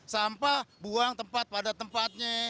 sampah buang tempat pada tempatnya